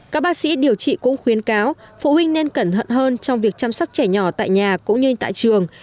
các bác sĩ điều trị cũng khuyến cáo phụ huynh nên cẩn thận hơn trong việc chăm sóc trẻ nhỏ tại nhà cũng như tại trường